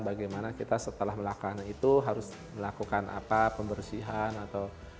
bagaimana kita setelah melakukan itu harus melakukan apa pembersihan atau